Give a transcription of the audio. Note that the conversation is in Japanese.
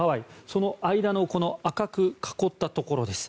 その間の赤く囲ったところです。